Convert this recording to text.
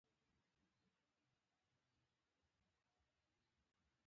په صلح کښېنه، جګړه مه راوړه.